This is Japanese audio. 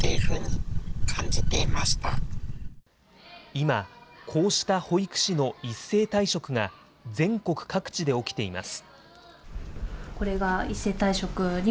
今、こうした保育士の一斉退職が全国各地で起きています。